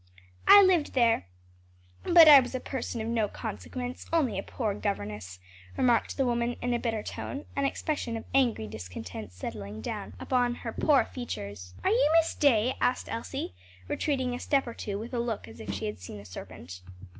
"I lived there; but I was a person of no consequence; only a poor governess," remarked the woman in a bitter tone; an expression of angry discontent settling down upon her features. "Are you Miss Day?" asked Elsie, retreating a step or two with a look as if she had seen a serpent.